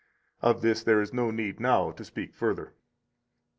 Of this there is no need now to speak further.